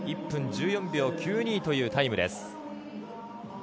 １分１４秒９２というタイムです。